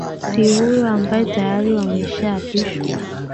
s huyo ambaye tayari wameshaapishwa